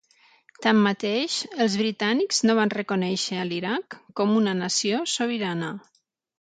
Tanmateix, els britànics no van reconèixer a l'Iraq com una nació sobirana.